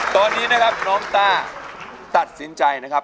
ตอนนี้นะครับน้องต้าตัดสินใจนะครับ